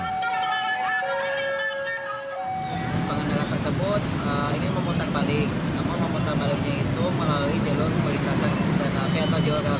ini memutar balik namun memutar baliknya itu melalui jelur perlintasan kereta api atau jelur kereta api